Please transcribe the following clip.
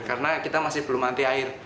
karena kita masih belum anti air